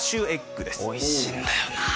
おいしいんだよなあ